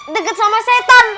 deket sama setan